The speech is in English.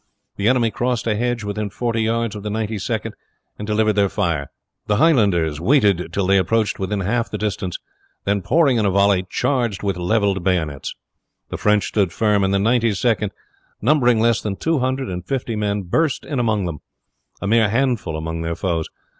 The enemy crossed a hedge within forty yards of the Ninety second, and delivered their fire. The Highlanders waited till they approached within half the distance, and then pouring in a volley, charged with leveled bayonets. The French stood firm, and the Ninety second, numbering less than two hundred and fifty men, burst in among them; a mere handful among their foes.